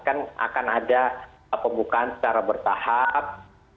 kan akan ada pembukaan secara bertahap